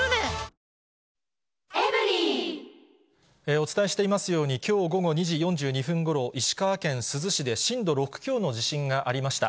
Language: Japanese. お伝えしていますように、きょう午後２時４２分ごろ、石川県珠洲市で震度６強の地震がありました。